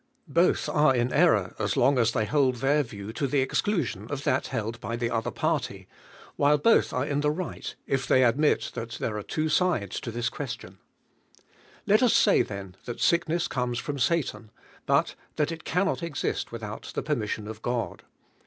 Both are in error as long a a they hold their view to the; exclusion of that held hy the other party, while both arc in the right if they admll lliaf time nre two sides to (his i|iu'Ktioii. Let ua smv i hen that sickness comes from Knkin. Imt thul it r niiiiol c\is( vvHhout the per mission of God.